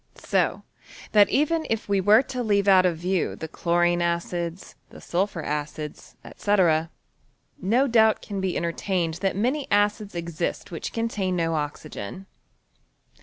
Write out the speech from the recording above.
So that even if we were to leave out of view the chlorine acids, the sulphur acids, &c., no doubt can be entertained that many acids exist which con tain no oxygen.